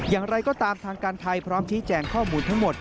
อย่างไรก็ตามทางการไทยพร้อมชี้แจงข้อมูลทั้งหมด